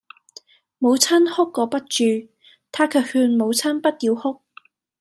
母親哭個不住，他卻勸母親不要哭；